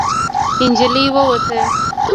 نجلۍ ووته.